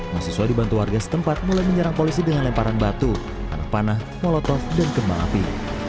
mahasiswa dibantu warga setempat mulai menyerang polisi dengan lemparan batu tanah panah molotov dan kembang api